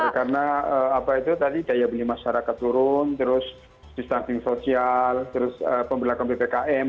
karena apa itu tadi daya beli masyarakat turun terus distancing sosial terus pembelakang bpkm